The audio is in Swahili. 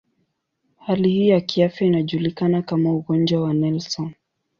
Hali hii ya kiafya inajulikana kama ugonjwa wa Nelson.